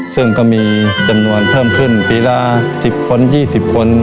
ซึ่งก็มีจำนวนเพิ่มขึ้นปีละ๑๐คน๒๐คน